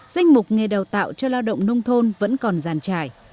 danh mục nghề đào tạo cho lao động nông thôn vẫn còn giàn trải